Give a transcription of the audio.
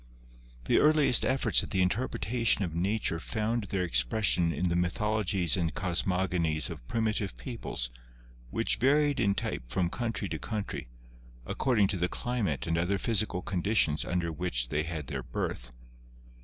The earliest efforts at the interpretation of nature found their expression in the mythologies and cosmogonies of primitive peoples, which varied in type from country to country, according to the climate and other physical con ditions under which they had their birth.